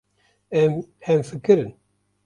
Em hemfikir in.